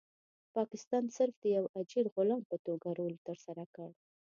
پاکستان صرف د یو اجیر غلام په توګه رول ترسره کړ.